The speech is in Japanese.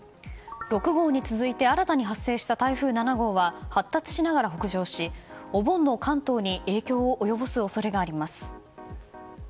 ６号に続いて新たに発生した台風７号は発達しながら北上しお盆の関東に影響を及ぼす恐れがあります。